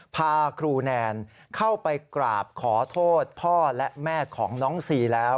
พาครูแนนเข้าไปกราบขอโทษพ่อและแม่ของน้องซีแล้ว